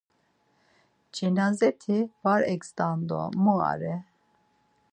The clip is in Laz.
Cenazeti var egzdan do mu are.